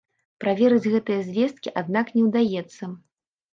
Праверыць гэтыя звесткі, аднак, не ўдаецца.